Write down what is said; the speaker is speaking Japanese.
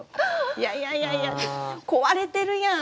いやいやいや壊れてるやん！